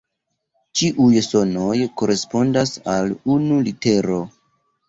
Ĉiuj sonoj korespondas al unu litero.